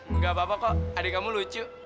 enggak apa apa kok adik kamu lucu